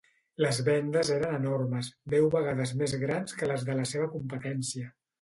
Les vendes eren enormes, deu vegades més grans que les de la seva competència.